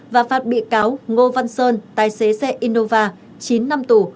và phạt bị cáo ngô văn sơn tài xế xe innova chín năm tù